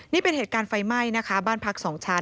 นี่เป็นเหตุการณ์ไฟไหม้นะคะบ้านพักสองชั้น